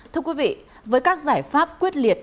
thưa quý vị với các giải pháp quyết liệt